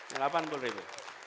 yang delapan puluh ribu